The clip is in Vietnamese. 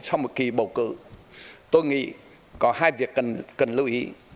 sau một kỳ bầu cử tôi nghĩ có hai việc cần lưu ý